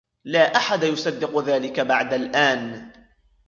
لا أحد يصدق ذلك بعد الآن.